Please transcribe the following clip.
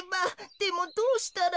でもどうしたら。